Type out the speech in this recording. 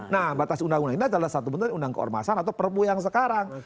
nah batas undang undang ini adalah satu bentuk undang keormasan atau perpu yang sekarang